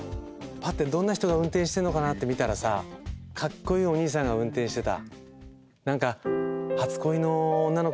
パッてどんな人が運転してるのかな？って見たらさかっこいいおにいさんが運転してた。